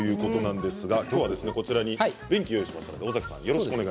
今日はこちらに便器を用意しました。